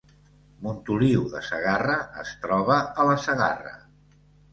Montoliu de Segarra es troba a la Segarra